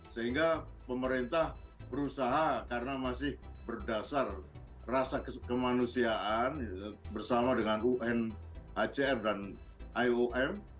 sehingga pemerintah berusaha karena masih berdasar rasa kemanusiaan bersama dengan un acr dan iom